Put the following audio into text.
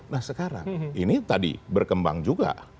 nah sekarang ini tadi berkembang juga